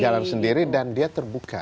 jalan sendiri dan dia terbuka